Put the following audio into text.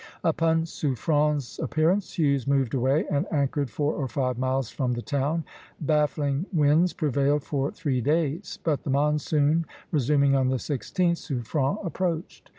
Upon Suffren's appearance, Hughes moved away and anchored four or five miles from the town. Baffling winds prevailed for three days; but the monsoon resuming on the 16th, Suffren approached.